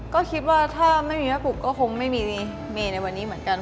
ก็คิดว่าถ้าไม่มีเนื้อปลูกก็คงไม่มีเมย์ในวันนี้เหมือนกัน